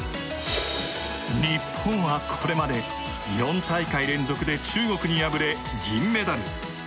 日本はこれまで４大会連続で中国に敗れ銀メダル。